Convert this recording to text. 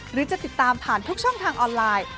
หรือจะติดตามผ่านทุกช่องทางออนไลน์